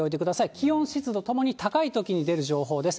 気温、湿度ともに高いときに出る情報です。